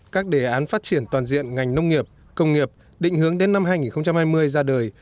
các đề án phát triển toàn diện ngành nông nghiệp công nghiệp định hướng đến năm hai nghìn hai mươi ra đời